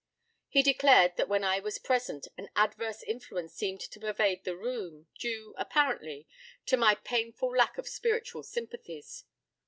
He declared that when I was present, an adverse influence seemed to pervade the room, due, apparently, to my painful lack of spiritual sympathies.